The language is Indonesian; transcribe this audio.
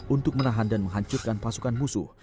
untuk menahan dan menghancurkan pasukan musuh